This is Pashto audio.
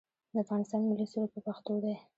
د افغانستان ملي سرود په پښتو دی